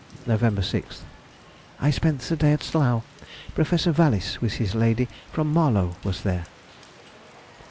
November 6th.—I spent the day at Slough. Professor Valis, with his lady, from Marlow, was there.